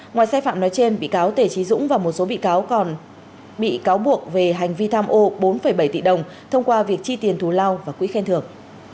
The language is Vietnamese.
ngoài sai phạm nói trên bị cáo tề trí dũng và một số bị cáo còn bị cáo buộc về hành vi tham ô bốn bảy tỷ đồng thông qua việc chi tiền thù lao và quỹ khen thưởng